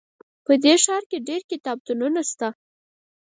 په دې ښار کې ډېر کتابتونونه شته